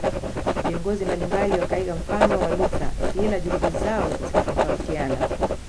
Viongozi mbalimbali wakaiga mfano wa Luther ila juhudi zao zikatofautiana